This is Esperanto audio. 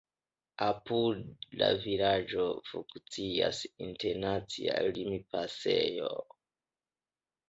Apud la vilaĝo funkcias internacia limpasejo.